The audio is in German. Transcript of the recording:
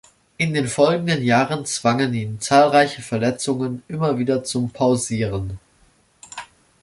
In den folgenden Jahren zwangen ihn zahlreiche Verletzungen immer wieder zum Pausieren.